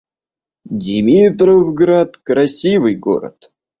Димитровград — красивый город